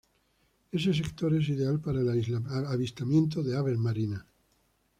Ese sector es ideal para el avistamiento de aves marinas.